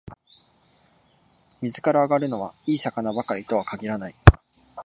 水から揚がるのは、いい魚ばかりとは限らない